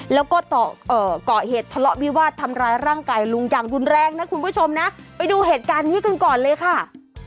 แล้วก็เกาะเหตุทะเลาะวิวาสทำร้ายร่างกายลุงอย่างรุนแรงนะคุณผู้ชมนะไปดูเหตุการณ์นี้กันก่อนเลยค่ะ